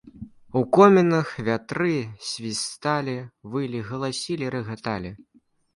У комінах вятры свісталі, вылі, галасілі, рагаталі.